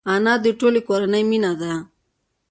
انا د ټولې کورنۍ مینه ده